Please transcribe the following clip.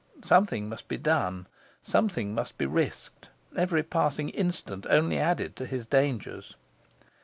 Something must be done, something must be risked. Every passing instant only added to his dangers.